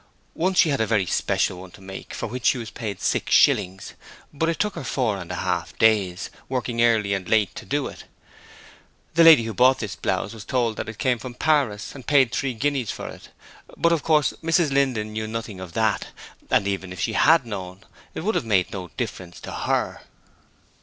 Once she had a very special one to make, for which she was paid six shillings; but it took her four and a half days working early and late to do it. The lady who bought this blouse was told that it came from Paris, and paid three guineas for it. But of course Mrs Linden knew nothing of that, and even if she had known, it would have made no difference to her.